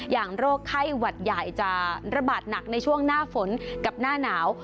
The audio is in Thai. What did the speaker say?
โรคไข้หวัดใหญ่จะระบาดหนักในช่วงหน้าฝนกับหน้าหนาว